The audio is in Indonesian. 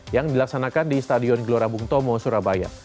yang dilaksanakan di stadion gelora bung tomo surabaya